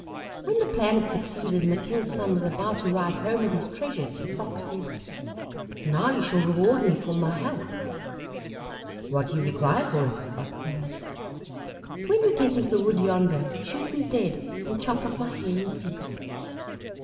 When the plan had succeeded, and the King's son was about to ride home with his treasures, the Fox said, "Now you shall reward me for my help." "What do you require for it?" asked the youth. "When you get into the wood yonder, shoot me dead, and chop off my head and feet."